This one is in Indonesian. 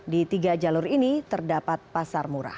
di tiga jalur ini terdapat pasar murah